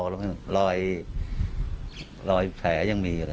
รอยแผนยังมี